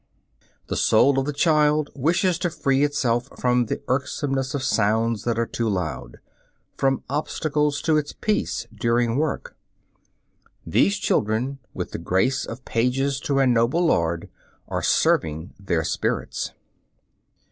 The soul of the child wishes to free itself from the irksomeness of sounds that are too loud, from obstacles to its peace during work. These children, with the grace of pages to a noble lord, are serving their spirits.